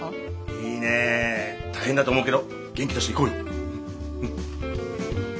いいね大変だと思うけど元気出していこうよ。